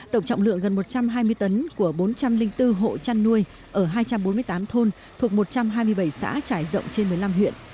tổng trọng lượng gần một trăm hai mươi tấn của bốn trăm linh bốn hộ chăn nuôi ở hai trăm bốn mươi tám thôn thuộc một trăm hai mươi bảy xã trải rộng trên một mươi năm huyện